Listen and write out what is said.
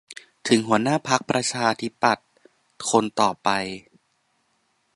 ถึง หัวหน้าพรรคประชาธิปัตย์คนต่อไป